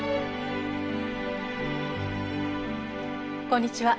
こんにちは。